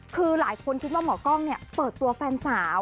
คือหลายคนคิดว่าหมอกล้องเนี่ยเปิดตัวแฟนสาว